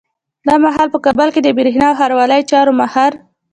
دا مهال په کابل کي د برېښنا او ښاروالۍ چارو ماهر